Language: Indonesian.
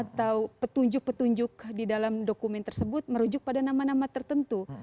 atau petunjuk petunjuk di dalam dokumen tersebut merujuk pada nama nama tertentu